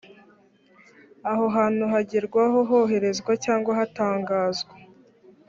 aho hantu hagerwaho, hoherezwa cyangwa hatangazwa